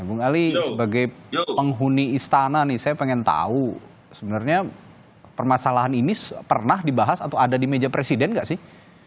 bung ali sebagai penghuni istana nih saya pengen tahu sebenarnya permasalahan ini pernah dibahas atau ada di meja presiden nggak sih